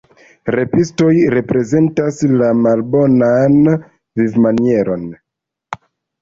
Repistoj reprezentas la malbonan vivmanieron.